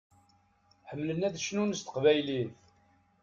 Ḥemmlen ad cnun s teqbaylit.